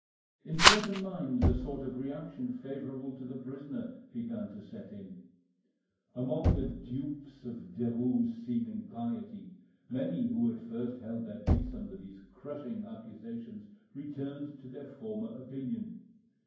In certain minds a sort of reaction favourable to the prisoner began to set in. Among the dupes of Derues' seeming piety, many who at first held their peace under these crushing accusations returned to their former opinion.